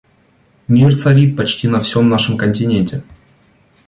Мир царит почти на всем нашем континенте.